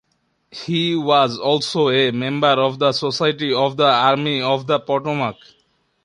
He was also a member of the Society of the Army of the Potomac.